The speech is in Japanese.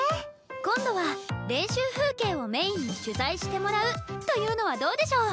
今度は練習風景をメインに取材してもらうというのはどうでしょう？